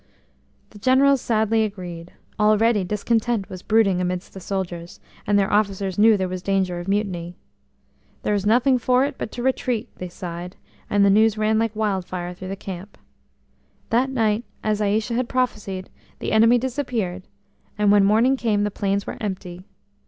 The Generals sadly agreed; already discontent was brooding amidst the soldiers, and their officers knew there was danger of mutiny. "There is nothing for it but to retreat," they sighed, and the news ran like wildfire through the camp. That night, as Aïcha had prophesied, the enemy disappeared, and when morning came the plains were empty.